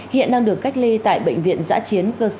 hiện đang được cách ly tại bệnh viện giã chiến cơ sở hà nội